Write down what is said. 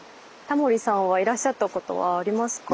タモリさんはいらっしゃったことはありますか？